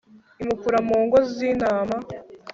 imukura mu ngo z'intama